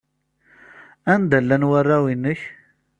Anda llan warraw-nnek?